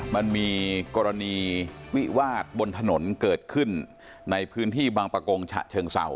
มันมีกรณีวิวาดบนถนนเกิดขึ้นในพื้นที่บางประกงฉะเชิงเศร้า